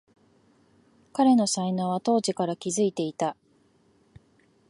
彼の才能は当時から気づいていた